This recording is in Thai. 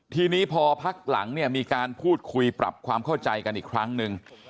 ทีนี้พอพักหลังเนี่ยมีการพูดคุยปรับความเข้าใจกันอีกครั้งหนึ่ง